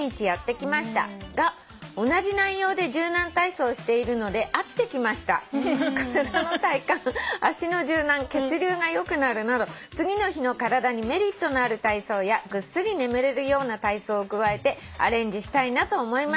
「が同じ内容で柔軟体操をしているので飽きてきました」「体の体幹足の柔軟血流が良くなるなど次の日の体にメリットのある体操やぐっすり眠れるような体操を加えてアレンジしたいなと思いました」